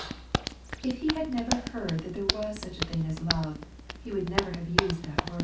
If he hadn't heard there was such a thing as love, he would never have used the word.